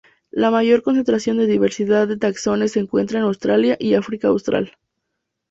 La mayor concentración de diversidad de táxones se encuentra en Australia y África austral.